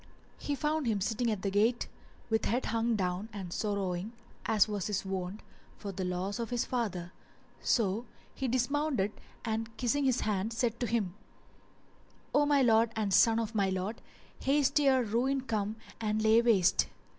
He found him sitting at the gate with head hung down and sorrowing, as was his wont, for the loss of his father; so he dismounted and kissing his hand said to him, "O my lord and son of my lord, haste ere ruin come and lay waste!"